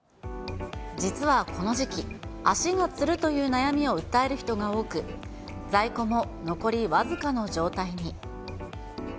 実はこの時期、足がつるという悩みを訴える人が多く、在庫も残り僅かの状態に。